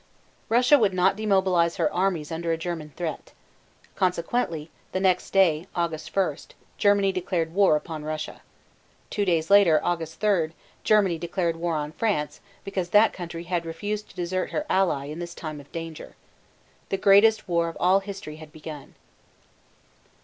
Russia would not demobilize her armies under a German threat. Consequently the next day, August 1, Germany declared war upon Russia. Two days later, August 3, Germany declared war on France because that country had refused to desert her ally in this time of danger. The greatest war of all history had begun.